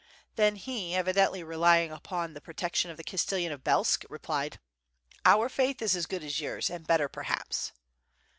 Then he, evidently relying upon the protection of the Castellan of Belsk, replied: 'Our faith is as good as yours, and better, perhaps."